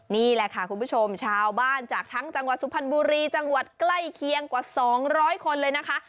นี่แหละค่ะคุณผู้ชมชาวบ้านจากทั้งจังหวัดสุพรรณบุรีจังหวัดใกล้เคียงกว่า๒๐๐คนเลยนะคะ